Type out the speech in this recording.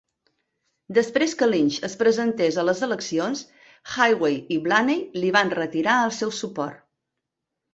Després que Lynch es presentés a les eleccions, Haughey i Blaney li van retirar el seu suport.